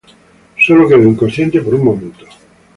Solo quedó inconsciente por un momento.